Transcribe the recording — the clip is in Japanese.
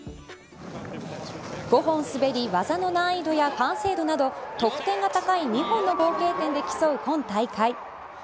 ５本滑り技の難易度や完成度など得点が高い２本の合計点で競う今大会。